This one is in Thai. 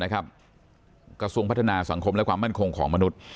กระทรวงพัฒนาสังคมและความมั่นคงของมนุษย์